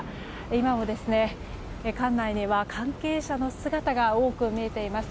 今も館内には関係者の姿が多く見えています。